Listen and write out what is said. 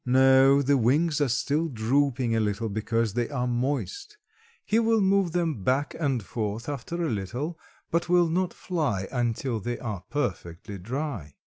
"No, the wings are still drooping a little because they are moist; he will move them back and forth after a little, but will not fly until they are perfectly dry."